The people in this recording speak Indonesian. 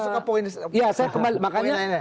baik kita masuk ke poin lainnya